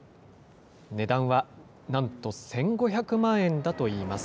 値段はなんと１５００万円だといいます。